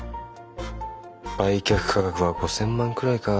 売却価格は５，０００万くらいか。